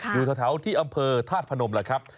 อยู่แถวที่อำเภอธาตุพนมแหละครับ